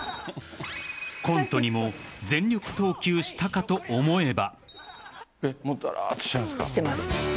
コントにも全力投球したかと思えば。